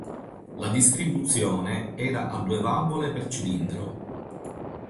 La distribuzione era a due valvole per cilindro.